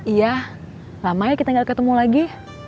iya lamanya kita gak ketemu lagi